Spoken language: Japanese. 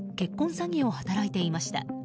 詐欺を働いていました。